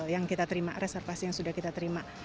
yang kita terima reservasi yang sudah kita terima